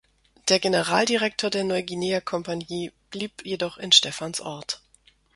Der Generaldirektor der Neuguinea-Kompagnie blieb jedoch in Stephansort.